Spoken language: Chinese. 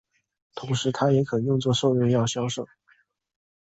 同时它也可作兽用药销售。